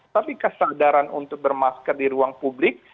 tapi kesadaran untuk bermasker di ruang publik